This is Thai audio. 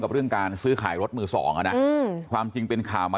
เรื่องการซื้อขายรถมือสองอ่ะนะความจริงเป็นข่าวมา